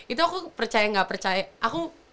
itu aku percaya gak percaya